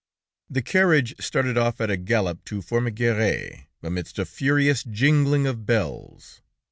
The carriage started off at a gallop to Formiguéres, amidst a furious jingling of bells.